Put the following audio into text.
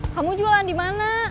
kamu jualan di mana